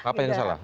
apa yang salah